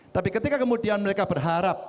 tapi ketika kemudian mereka berharap